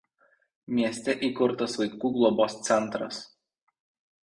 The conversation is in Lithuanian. Mieste įkurtas vaikų globos centras.